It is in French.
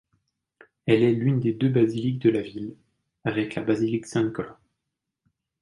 Elle est l'une des deux basiliques de la ville, avec la basilique Saint-Nicolas.